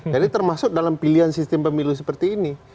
jadi termasuk dalam pilihan sistem pemilu seperti ini